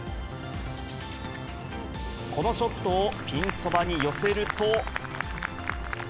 このショットをピンそばに寄せると。